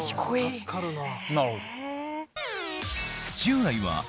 助かるなぁ。